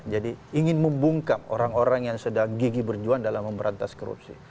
jadi ingin membungkap orang orang yang sedang gigi berjuang dalam memberantas korupsi